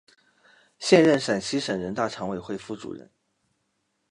现任陕西省人大常委会副主任。